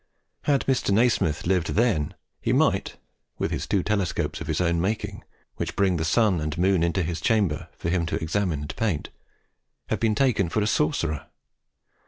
Had Mr. Nasmyth himself lived then, he might, with his two telescopes of his own making, which bring the sun and moon into his chamber for him to examine and paint, have been taken for a sorcerer.